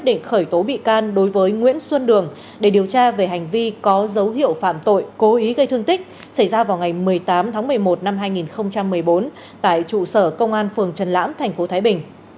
điều tra về hành vi có dấu hiệu phạm tội cố ý gây thương tích xảy ra vào ngày một mươi tám tháng một mươi một năm hai nghìn một mươi bốn tại trụ sở công an phường trần lãm tp thái bình